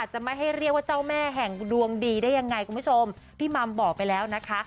จะไม่ให้เรียกว่าเจ้าแม่แห่งดวงดีได้ยังไงคุณผู้ชมพี่มัมบอกไปแล้วนะคะ